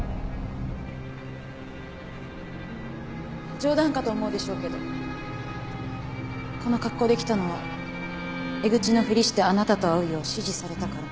冗談かと思うでしょうけどこの格好で来たのはエグチのふりしてあなたと会うよう指示されたから。